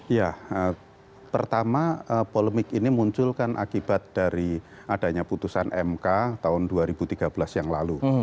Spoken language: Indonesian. ya pertama polemik ini muncul kan akibat dari adanya putusan mk tahun dua ribu tiga belas yang lalu